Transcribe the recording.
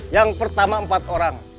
yang pertama empat orang